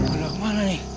udah kemana nih